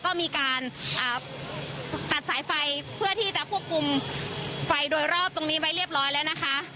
ก็มีการตัดสายไฟเพื่อที่จะควบคุมไฟโดยรอบตรงนี้ไว้เรียบร้อยแล้วนะคะ